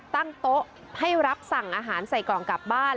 ตั้งโต๊ะให้รับสั่งอาหารใส่กล่องกลับบ้าน